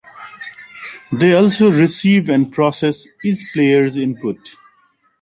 They also receive and process each player's input.